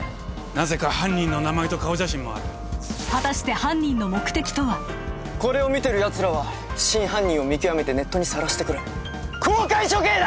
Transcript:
なぜか犯人の名前と顔写真もある果たして犯人の目的とはこれを見てるやつらは真犯人を見極めてネットにさらしてくれ公開処刑だ！